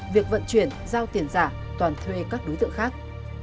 việc vận chuyển giao tiền giả toàn thuê các đối tượng khác